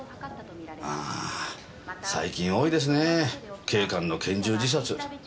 あ最近多いですねぇ警官の拳銃自殺。